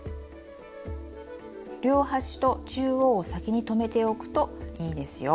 両端と中央を先に留めておくといいですよ。